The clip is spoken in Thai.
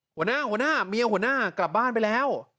หัวหน้าเมียหัวหน้ากลับบ้านไปแล้ว